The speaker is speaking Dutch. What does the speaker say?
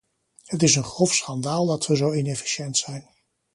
Het is een grof schandaal dat we zo inefficiënt zijn.